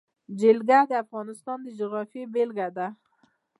جلګه د افغانستان د جغرافیې بېلګه ده.